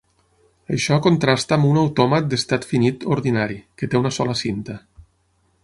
Això contrasta amb un autòmat d'estat finit ordinari, que té una sola cinta.